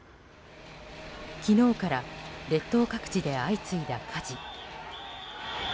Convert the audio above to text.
昨日から列島各地で相次いだ火事。